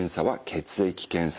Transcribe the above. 血液検査。